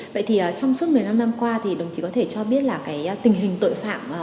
vậy thì trong suốt một mươi năm năm qua thì đồng chí có thể cho biết là cái tình hình tội phạm